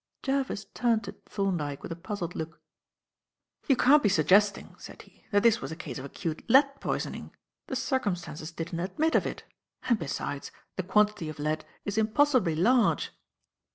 Jervis turned to Thorndyke with a puzzled look. "You can't be suggesting," said he, "that this was a case of acute lead poisoning. The circumstances didn't admit of it, and besides, the quantity of lead is impossibly large."